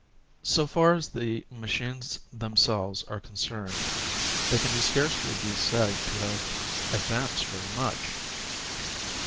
S'o far as the machines themselves are concerned, they can scarcely be said to have advanced very much.